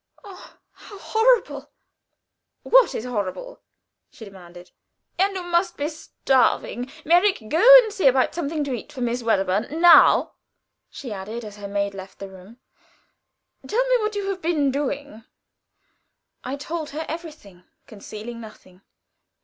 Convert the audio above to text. "Oh, how horrible!" "What is horrible?" she demanded. "And you must be starving. Merrick, go and see about something to eat for Miss Wedderburn. Now," she added, as her maid left the room, "tell me what you have been doing." I told her everything, concealing nothing.